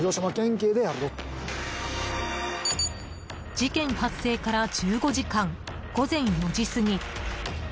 事件発生から１５時間午前４時過ぎ。